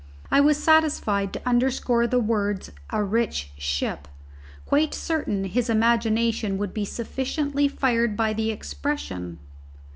I was satisfied to underscore the words "a rich ship," quite certain his imagination would be sufficiently fired by the expression.